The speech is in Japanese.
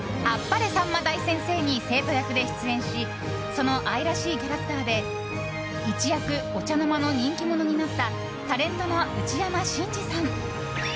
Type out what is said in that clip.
「あっぱれさんま大先生」に生徒役で出演しその愛らしいキャラクターで一躍、お茶の間の人気者になったタレントの内山信二さん。